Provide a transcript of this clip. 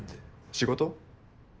仕事？